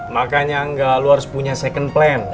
makanya enggak lo harus punya second plan